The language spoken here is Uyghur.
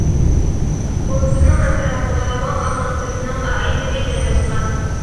ئوردىنىڭ ئەتراپىغا ۋاڭ ئەۋلادلىرىنىڭ ئائىلىلىرى جايلاشقان.